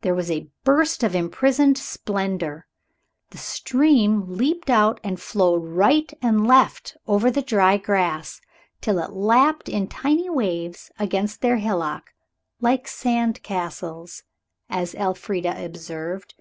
There was a burst of imprisoned splendor. The stream leaped out and flowed right and left over the dry grass, till it lapped in tiny waves against their hillock "like sand castles," as Elfrida observed.